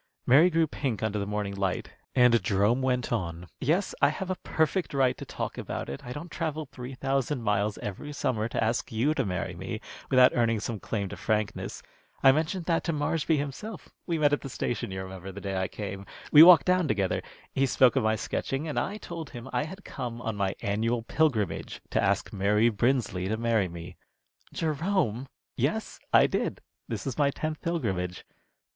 Mary grew pink under the morning light, and Jerome went on: "Yes, I have a perfect right to talk about it, I don't travel three thousand miles every summer to ask you to marry me without earning some claim to frankness. I mentioned that to Marshby himself. We met at the station, you remember, the day I came. We walked down together. He spoke about my sketching, and I told him I had come on my annual pilgrimage, to ask Mary Brinsley to marry me." "Jerome!" "Yes, I did. This is my tenth pilgrimage.